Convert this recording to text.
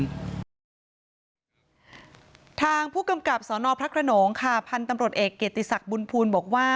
ทางผู้กำกับสนพระขนงค่ะพันธุ์ตำรวจเอกเกียรติศักดิ์บุญภูลบอกว่า